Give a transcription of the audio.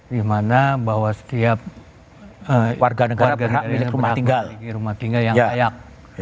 di mana bahwa setiap warga negara milik rumah tinggal yang layak